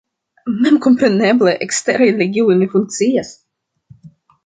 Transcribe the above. Memkompreneble, eksteraj ligiloj ne funkcias.